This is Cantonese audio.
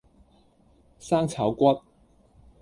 生炒骨